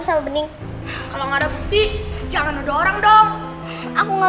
sampai jumpa di video selanjutnya